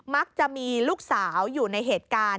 มักจะมีลูกสาวอยู่ในเหตุการณ์